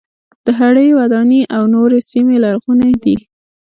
د هډې وداني او نورې سیمې لرغونې دي.